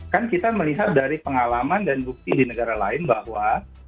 kan kita melihat dari pengalaman dan bukti di negara lain bahwa